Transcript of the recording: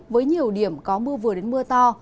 với nhiều điểm có mưa vừa đến mưa to